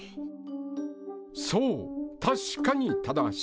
そう確かに正しい。